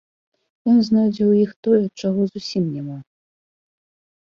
Ён знойдзе ў іх тое, чаго зусім няма.